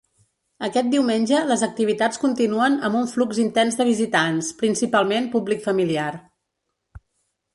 Aquest diumenge les activitats continuen amb un flux intens de visitants, principalment públic familiar.